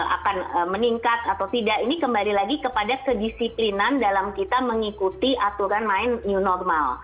akan meningkat atau tidak ini kembali lagi kepada kedisiplinan dalam kita mengikuti aturan main new normal